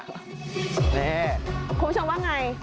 คุณผู้ชมว่าอย่างไร